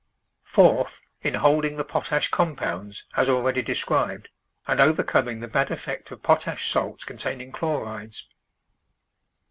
Fourth, in holding the potash compounds, as already described, and overcoming the bad effect of potash salts containing chlorides.